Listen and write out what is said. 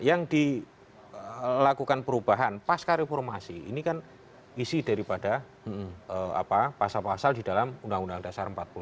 yang dilakukan perubahan pasca reformasi ini kan isi daripada pasal pasal di dalam undang undang dasar empat puluh lima